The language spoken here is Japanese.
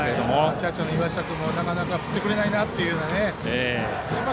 キャッチャーの岩下君もなかなか振ってくれないなと思っているでしょうね。